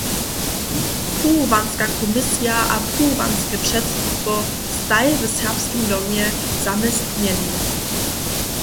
Pruwowanska komisija a pruwowanske předsydstwo staj w Serbskim domje zaměstnjenej.